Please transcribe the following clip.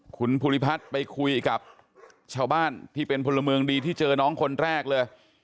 คุณภูริพัฒน์ไปคุยกับชาวบ้านที่เป็นพลเมืองดีที่เจอน้องคนแรกเลย